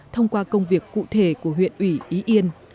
thông qua công việc cụ thể của huyện ủy ý yên